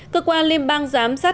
cơ quan liên bang giám sát